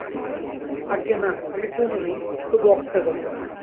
আজ্ঞে না, আমি পূর্ণ নই, তবু অক্ষয় বটে।